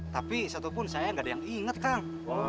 tapi satupun saya gak ada yang inget kang